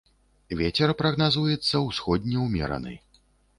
Вецер прагназуецца ўсходні ўмераны.